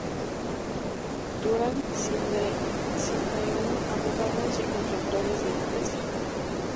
Durán-Sindreu Abogados y Consultores de Empresa.